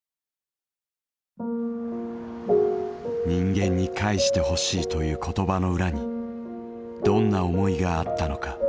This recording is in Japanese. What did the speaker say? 「人間に返してほしい」という言葉の裏にどんな思いがあったのか。